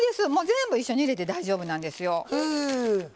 全部一緒に入れて大丈夫なんですよ。